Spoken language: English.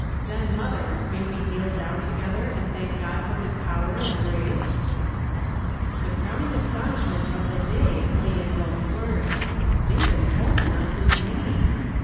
Then, mother, may we kneel down together, and thank God for his power and grace ?" The crowning astonishment of the day lay in those words. David Holman on his knees